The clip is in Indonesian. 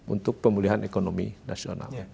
untuk pemulihan ekonomi nasional